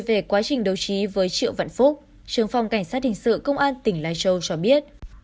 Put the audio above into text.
về quá trình đấu trí với triệu vạn phúc trường phòng cảnh sát hình sự công an tỉnh lai châu cho biết